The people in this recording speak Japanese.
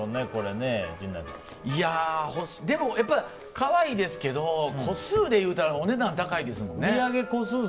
可愛いですけど個数でいったらお値段高いですもんね。